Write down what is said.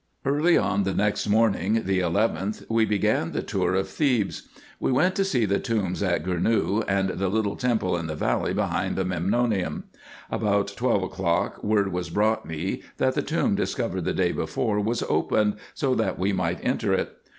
Early on the next morning, the 11th, we began the tour of Thebes. We went to see the tombs in Gournou, and the little temple in the valley behind the Menmonium. About twelve o'clock word was brought me, that the tomb discovered the day before was opened, so that we might enter it.